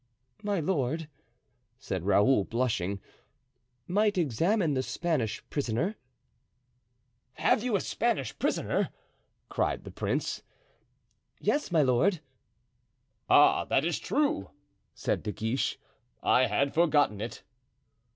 "My lord," said Raoul, blushing, "might examine the Spanish prisoner." "Have you a Spanish prisoner?" cried the prince. "Yes, my lord." "Ah, that is true," said De Guiche; "I had forgotten it."